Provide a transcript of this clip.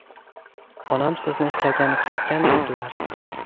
Onam sizni ishlagani ketgan deydilar